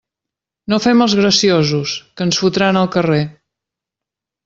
No fem els graciosos, que ens fotran al carrer.